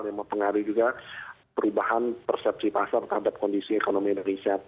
yang mempengaruhi juga perubahan persepsi pasar terhadap kondisi ekonomi indonesia